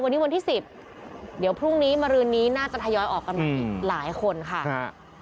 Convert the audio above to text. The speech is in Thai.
วันนี้วันที่สิบเดี๋ยวพรุ่งนี้มารืนนี้น่าจะทยอยออกกันใหม่หลายคนค่ะ